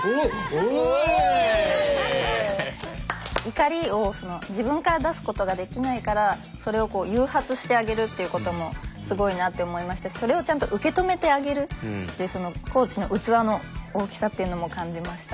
怒りを自分から出すことができないからそれを誘発してあげるっていうこともすごいなって思いましたしそれをちゃんと受け止めてあげるってコーチの器の大きさっていうのも感じました。